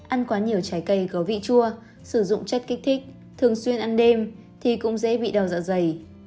ăn quá nhiều trái cây có vị chua sử dụng chất kích thích thường xuyên ăn đêm thì cũng dễ bị đào dạ dày